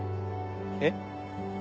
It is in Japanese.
えっ？